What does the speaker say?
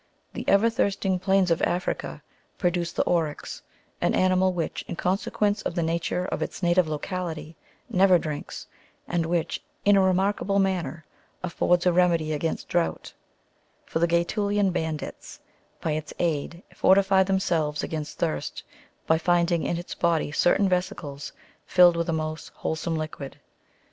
The ever thirsting plains of Africa produce the oryx,^^ an animal which, in consequence of the nature of its native locality, never drinks, and which, in a remarkable manner, affords a remedy against drought : for the Gaetulian bandits by its aid fortify themselves against thirst, by finding in its body certain vesicles filled with a most wholesome liquid.